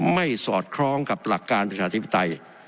สอดคล้องกับหลักการประชาธิปไตย